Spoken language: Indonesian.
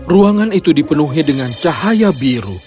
ruangan itu dipenuhi dengan cahaya biru